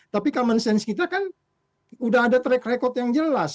tapi common sense kita kan udah ada track record yang jelas